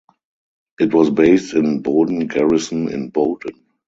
It was based in Boden Garrison in Boden.